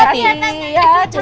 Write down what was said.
iya terima kasih